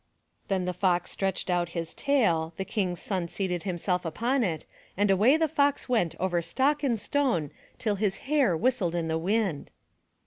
Then the Fox stretched out his tail, the King's son seated himself upon it and away the Fox went over stock and stone till his hair whistled in the wind.